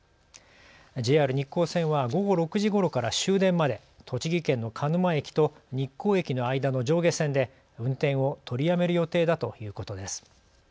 ＪＲ日光線は午後６時ごろから終電まで栃木県の鹿沼駅と日光駅の間の上下線で運転を取りやめる予定だということです。